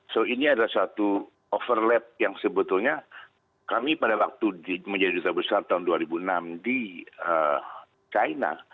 jadi ini adalah satu overlap yang sebetulnya kami pada waktu menjadi duta besar tahun dua ribu enam di china